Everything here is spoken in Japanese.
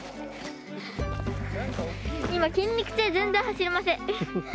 今筋肉痛で全然走れません。